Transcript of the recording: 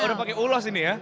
udah pakai ulos ini ya